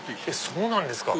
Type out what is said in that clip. そうなんですか。